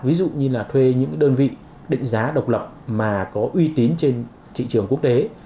ví dụ như là thuê những đơn vị định giá độc lập mà có uy tín trên thị trường quốc tế